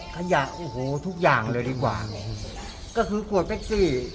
ขยะโอ้โหทุกอย่างเลยดีกว่าก็คือขวดเป็กซี่